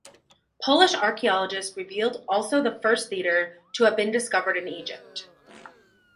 Polish archaeologists revealed also the first theatre to have been discovered in Egypt.